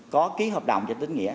có ký hợp đồng cho tín nghĩa